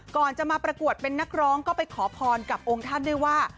ก่อนจะมาประกวดเป็นนักร้องก็ไปขอพรกับองค์ท่านด้วยว่า